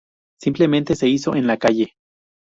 Simplemente se hizo en la calle.